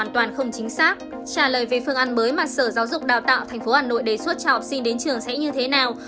trả lời về phương án mới mà sở giáo dục đào tạo tp hà nội đề xuất cho học sinh đến trường sẽ như thế nào